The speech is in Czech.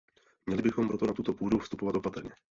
Měli bychom proto na tuto půdu vstupovat opatrně.